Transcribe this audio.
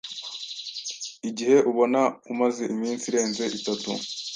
Igihe ubona umaze iminsi irenze itatu